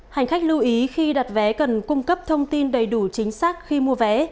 hành khách lưu ý khi đặt vé cần cung cấp thông tin đầy đủ chính xác khi mua vé